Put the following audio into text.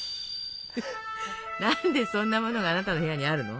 何でそんなものがあなたの部屋にあるの？